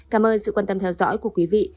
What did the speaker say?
cảm ơn sự quan tâm theo dõi của quý vị